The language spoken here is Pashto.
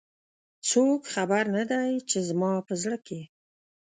څوک خبر نه د ی، چې زما په زړه کې